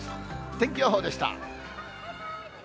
天気予報でした。